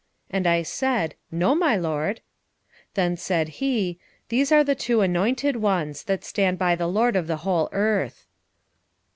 And I said, No, my lord. 4:14 Then said he, These are the two anointed ones, that stand by the LORD of the whole earth.